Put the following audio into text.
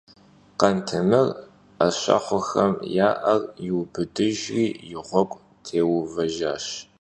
Khantêmır 'eşıxhuexem ya 'er yiubıdıjjri yi ğuegu têuvejjaş.